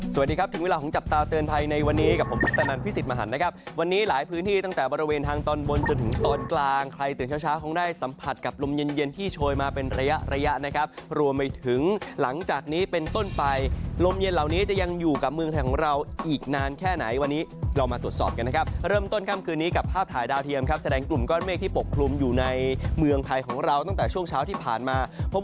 สวัสดีครับถึงเวลาของจับตาเตือนภัยในวันนี้กับผมปุ๊กตะนันพิสิทธิ์มหันต์นะครับวันนี้หลายพื้นที่ตั้งแต่บริเวณทางตอนบนจนถึงตอนกลางใครเตือนช้าคงได้สัมผัสกับลมเย็นที่โชยมาเป็นระยะนะครับรวมไปถึงหลังจากนี้เป็นต้นไปลมเย็นเหล่านี้จะยังอยู่กับเมืองไทยของเราอีกนานแค่ไหนวันนี้เรา